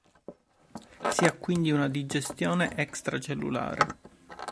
Si ha quindi una digestione extracellulare.